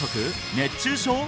熱中症？